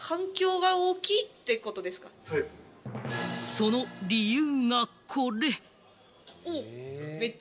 その理由がこれ！